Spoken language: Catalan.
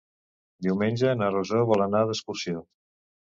Diumenge na Rosó vol anar d'excursió.